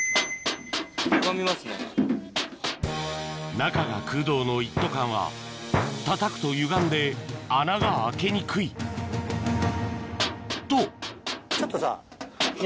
中が空洞の一斗缶はたたくとゆがんで穴が開けにくいと！